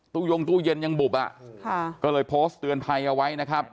ยงตู้เย็นยังบุบอ่ะค่ะก็เลยโพสต์เตือนภัยเอาไว้นะครับ